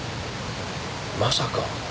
まさか！？